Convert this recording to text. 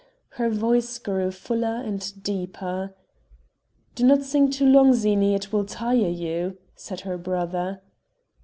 her voice grew fuller and deeper ... "Do not sing too long, Zini, it will tire you," said her brother.